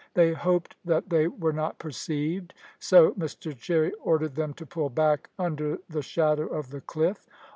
They hoped that they were not perceived; so Mr Cherry ordered them to pull back under the shadow of the cliff.